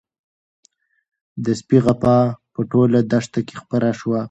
د سپي غپا په ټوله دښته کې خپره شوه.